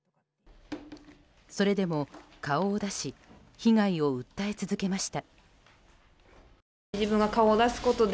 それでも、顔を出し被害を訴え続けました。